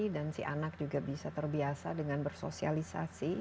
dan si anak juga bisa terbiasa dengan bersosialisasi